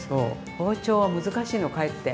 包丁は難しいのかえって。